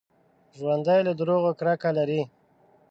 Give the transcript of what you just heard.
ژوندي له دروغو کرکه لري